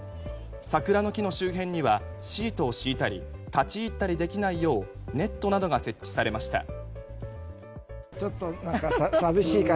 桜の木の周辺にはシートを敷いたり立ち入ったりできないようネットなどが設置されました。